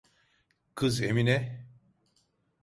Kız Emine…